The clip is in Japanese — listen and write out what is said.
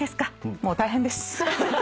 もう大変です。